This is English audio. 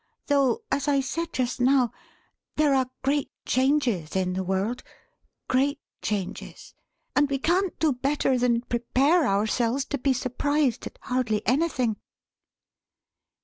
Though as I said just now, there are great changes in the world: great changes: and we can't do better than prepare ourselves to be surprised at hardly anything."